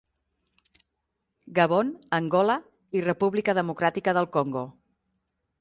Gabon, Angola i República Democràtica del Congo.